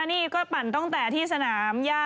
นี่ก็ปั่นตั้งแต่ที่สนามย่า